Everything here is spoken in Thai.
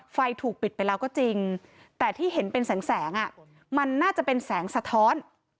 ไฟถูกปิดไปแล้วก็จริงแต่ที่เห็นเป็นแสงมันน่าจะเป็นแสงสะท้อน